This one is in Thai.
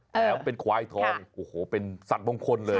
แผมเป็นควายทองโอ้โหเป็นสรรพงศ์คนเลย